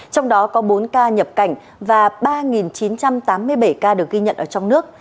trong đó có bốn ca nhập cảnh và ba chín trăm tám mươi bảy ca được ghi nhận ở trong nước